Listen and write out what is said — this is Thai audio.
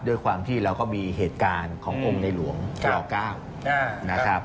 ด้วยความที่เราก็มีเหตุการณ์ขององค์ในหลวงจ๙นะครับ